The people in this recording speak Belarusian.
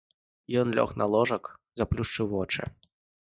Ён лёг на ложак, заплюшчыў вочы.